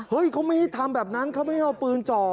เขาไม่ให้ทำแบบนั้นเขาไม่ให้เอาปืนจ่อ